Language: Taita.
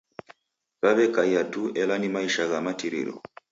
Waw'ekaia tu ela ni maisha gha matiriro.